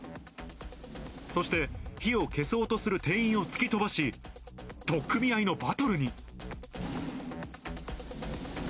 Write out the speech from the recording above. そして火を消そうとする店員を突き飛ばし、取っ組み合いのバトルに。